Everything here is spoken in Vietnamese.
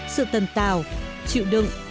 sự tần tào chịu đựng